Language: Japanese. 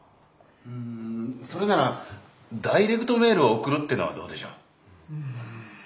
それならダイレクトメールを送るっていうのはどうでしょう？